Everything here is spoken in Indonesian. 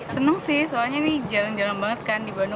senang sih soalnya ini jarang jarang banget kan di bandung